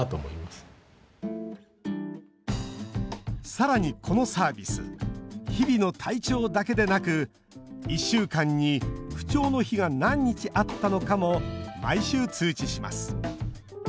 さらにこのサービス日々の体調だけでなく１週間に不調の日が何日あったのかも毎週通知します。